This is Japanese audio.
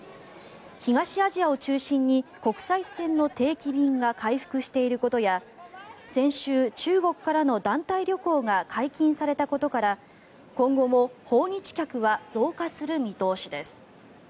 東アジアを中心に国際線の定期便が回復していることや先週、中国からの団体旅行が解禁されたことから今後も訪日客は増加する見通しです。